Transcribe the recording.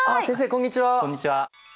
こんにちは。